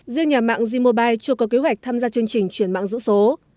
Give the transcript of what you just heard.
riêng nhà mạng zmobile chưa có kế hoạch tham gia chương trình chuyển mạng giữ số